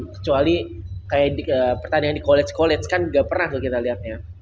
kecuali kayak pertandingan di college college kan gak pernah tuh kita lihatnya